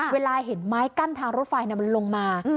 เวลาเห็นไม้กั้นทางรถไฟมันลงมา